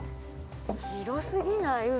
広すぎない？